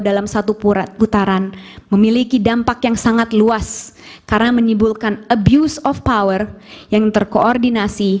dalam satu purat putaran memiliki dampak yang sangat luas karena menimbulkan abuse of power yang terkoordinasi